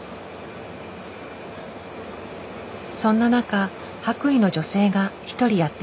そんな中白衣の女性が一人やって来た。